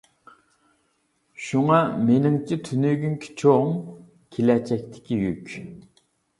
شۇڭا مېنىڭچە تۈنۈگۈنكى «چوڭ» كېلەچەكتىكى يۈك.